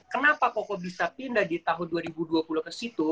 kenapa koko bisa pindah di tahun dua ribu dua puluh ke situ